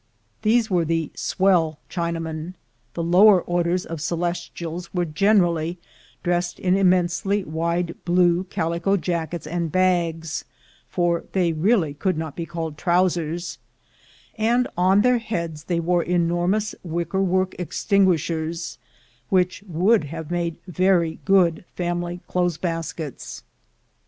These were the swell Chinamen ; the lower orders of Ce lestials were generally dressed in immensely wide blue calico jackets and bags, for they really could not be called trousers, and on their heads they wore enor mous wickerwork extinguishers, which would have made very good family clothes baskets.